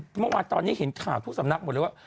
เมื่อวานตอนนี้เห็นข่าวทุกสำนักหมดเลยว่า